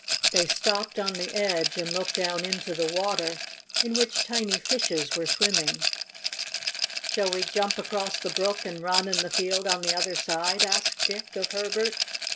They stopped on the edge, and looked down into the water in which tiny fishes were swimming. "Shall we jump across the brook and run in the field on the other side?" asked Dick of Herbert.